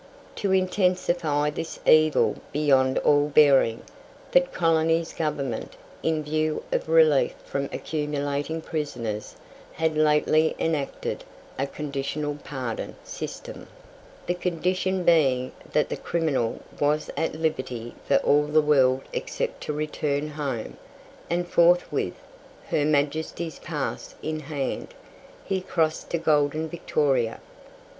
To intensify this evil beyond all bearing, that colony's Government, in view of relief from accumulating prisoners, had lately enacted a "conditional pardon" system, the condition being that the criminal was at liberty for all the world except to return Home, and forthwith, Her Majesty's pass in hand, he crossed to golden Victoria.